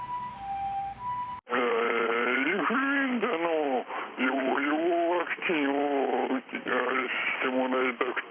インフルエンザの予防ワクチンをあれしてもらいたくて。